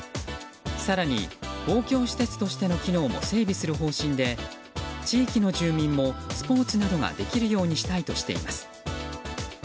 更に、公共施設としての機能も整備する方針で地域の住民もスポーツなどができるようにしたいとしています。